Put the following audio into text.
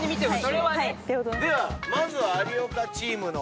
ではまずは有岡チームの。